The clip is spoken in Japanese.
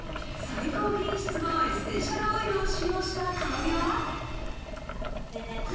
最高品質のエッセンシャルオイルを使用した香りは？